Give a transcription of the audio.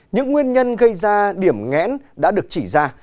những nguyên nhân gây ra điểm ngẽn đã được chỉ ra